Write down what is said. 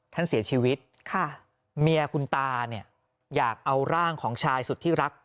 ท่านเสียชีวิตค่ะเมียคุณตาเนี่ยอยากเอาร่างของชายสุดที่รัก